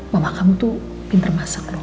mama kamu tuh pinter masak